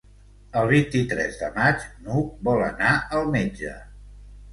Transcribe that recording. El vint-i-tres de maig n'Hug vol anar al metge.